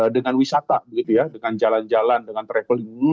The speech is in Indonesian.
dengan wisata begitu ya dengan jalan jalan dengan traveling dulu